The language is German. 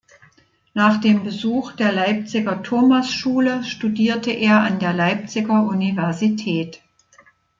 Nach dem Besuch der Leipziger Thomasschule studierte er an der Leipziger Universität.